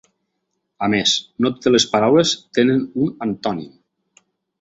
A més, no totes les paraules tenen un antònim.